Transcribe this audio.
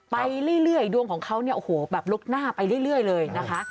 ไปเรื่อยดวงของเขาแบบลุกหน้าไปเรื่อยเลยนะคะ